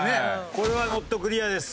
これはノットクリアです。